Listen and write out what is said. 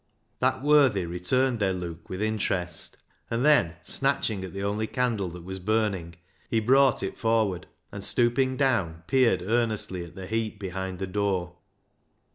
That worthy returned their look with interest, and then, snatching at the only candle that was burning, he brought it forward, and, stooping down, peered earnestly at the heap behind the door.